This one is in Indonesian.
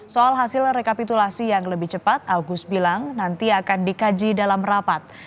soal hasil rekapitulasi yang lebih cepat agus bilang nanti akan dikaji dalam rapat